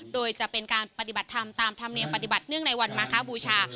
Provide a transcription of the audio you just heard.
โดยจะเป็นการปฏิบัติธรรมตามธรรมเนียมปฏิบัติเนื่องในวันมาคบูชา